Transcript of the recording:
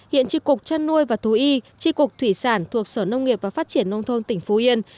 hiện tri cục chăn nuôi và thú y tri cục thủy sản thuộc sở nông nghiệp và phát triển nông thôn tỉnh phú yên